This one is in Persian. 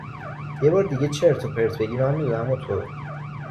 یه بار دیگه چرت و پرت بگی من می دونم و تو